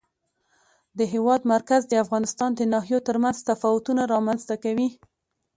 د هېواد مرکز د افغانستان د ناحیو ترمنځ تفاوتونه رامنځ ته کوي.